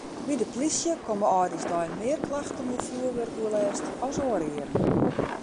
By de polysje komme âldjiersdei mear klachten oer fjoerwurkoerlêst as oare jierren.